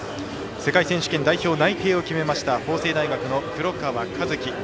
世界選手権代表内定を決めた法政大学の黒川和樹。